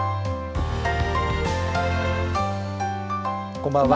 こんばんは。